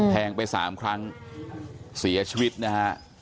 แทงไป๓ครั้งเสียชีวิตนะฮะ